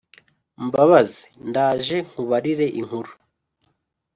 mbabazi , ndaje nkubarire inkuru